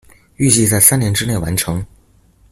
預計在三年之內完成